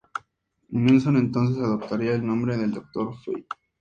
Nelson entonces adoptaría el nombre del Doctor Fate.